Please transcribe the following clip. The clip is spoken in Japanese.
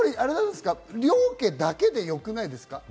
両家だけでよくないですか？